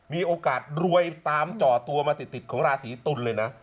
มีโอกาสรวยตามจ่อตัวมาติดของราศีตุลเลยนะ